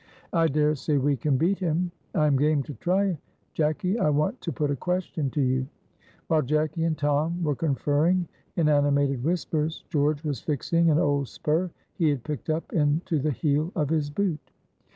"I dare say we can beat him." "I am game to try. Jacky, I want to put a question to you." While Jacky and Tom were conferring in animated whispers, George was fixing an old spur he had picked up into the heel of his boot.